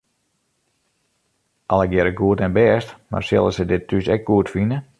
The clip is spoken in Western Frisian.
Allegearre goed en bêst, mar sille se dit thús ek goed fine?